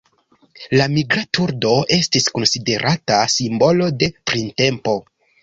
La Migra turdo estis konsiderata simbolo de printempo.